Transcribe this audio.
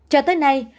cho tới nay